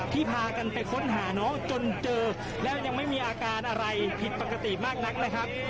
พากันไปค้นหาน้องจนเจอแล้วยังไม่มีอาการอะไรผิดปกติมากนักนะครับ